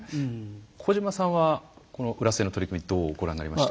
小島さんはこの浦添の取り組みどうご覧になりました？